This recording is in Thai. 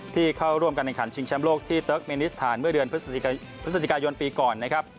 ที่เข้าร่วมกันในขันชิงแชมป์โลกที่เตอร์กเมนิสธารเมื่อเดือนพฤศจิกายนปีก่อน